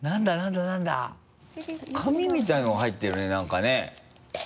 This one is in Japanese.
紙みたいなのが入ってるねなんかね。